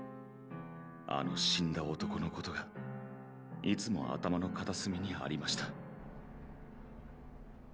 あの死んだ男のことがいつも頭の片スミにありました。